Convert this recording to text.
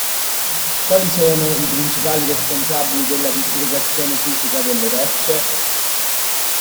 Quali sono i principali responsabili della disgregazione fisica delle rocce?